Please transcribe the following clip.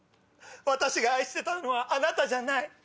私が愛してたのはあなたじゃない。